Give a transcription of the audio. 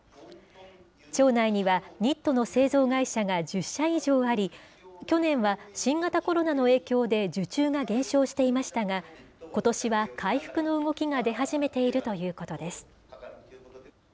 町内には、ニットの製造会社が１０社以上あり、去年は新型コロナの影響で、受注が減少していましたが、ことしは回復の動きが出始めているということです。